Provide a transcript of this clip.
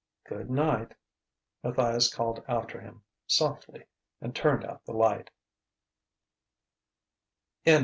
"Good night!" Matthias called after him, softly; and turned out the light.